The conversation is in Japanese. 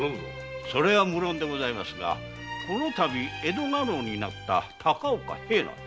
無論でございますがこのたび江戸家老になった高岡平内